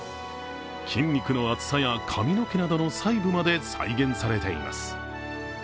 筋肉の厚さや髪の毛の細部まで再現されています。